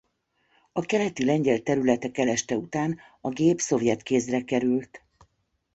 A keleti lengyel területek eleste után a gép szovjet kézre került.